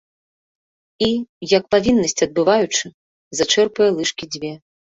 І, як павіннасць адбываючы, зачэрпае лыжкі дзве.